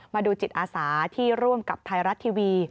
มาดูจิตอาสาที่ร่วมกับไทยรัฐทีวี